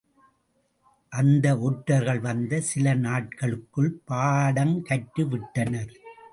அந்த ஒற்றர்கள் வந்த சில நாட்களுக்குள் பாடங்கற்றுவிட்டனர்.